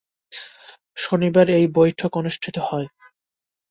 শনিবার এই বৈঠক অনুষ্ঠিত হয়।